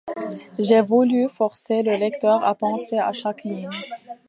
J’ai voulu forcer le lecteur à penser à chaque ligne.